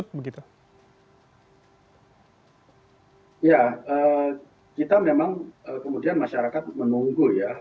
ya kita memang kemudian masyarakat menunggu ya